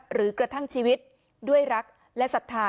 หรือกระทั่งชีวิตด้วยรักและศรัทธา